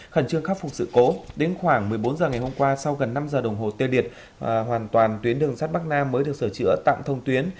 khẩn trương khắc phục sự cố đến khoảng một mươi bốn h ngày hôm qua sau gần năm giờ đồng hồ tiêu điện hoàn toàn tuyến đường sắt bắc nam mới được sửa chữa tạm thông tuyến